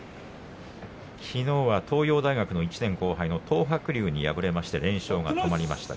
きのうは東洋大学の１年後輩の東白龍に敗れまして連勝が止まりました。